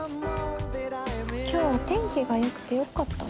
今日お天気がよくてよかった。